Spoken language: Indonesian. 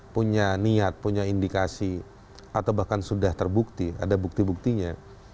punya niat punya indikasi atau bahkan sudah terbukti ada bukti buktinya